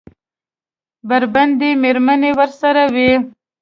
بربنډې مېرمنې ورسره وې؟